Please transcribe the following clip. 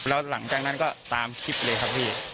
แล้วหลังจากนั้นก็ตามคลิปเลยครับพี่